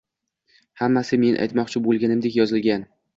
Hammasi men aytmoqchi bo‘lganimdek yozilgan.